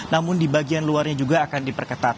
namun di bagian luarnya juga akan diperketat